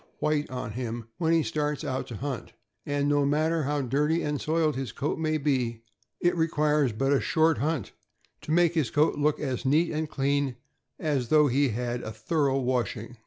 white on him, when he starts out to hunt, and, no matter how dirty and soiled his coat maybe, it requires but a short hunt to make his coat look as neat and clean as though he had had a thorough washing.